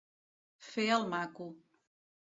Fer el maco.